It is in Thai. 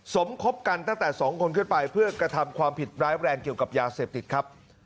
สมคบกันตั้งแต่๒คนขึ้นไปเพื่อกระทำความผิดร้ายแรงเกี่ยวกับยาเสพติดครับ